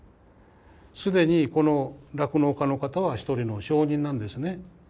既にこの酪農家の方は一人の証人なんですね。